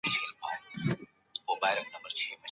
د طبيعي علومو لاره روښانه ده.